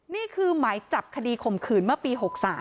นี่คือหมายจับคดีข่มขืนเมื่อปี๖๓